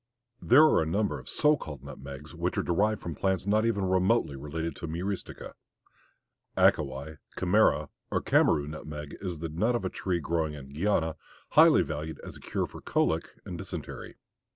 There are a number of so called nutmegs which are derived from plants not even remotely related to Myristica. Ackawai, Camara, or Camaru nutmeg is the nut of a tree growing in Guiana highly valued as a cure for colic and dysentery.